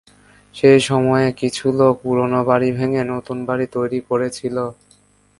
সেই সময়ে কিছু লোক পুরোনো বাড়ি ভেঙে নতুন বাড়ি তৈরি করেছিল।